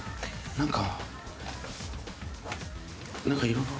なんか。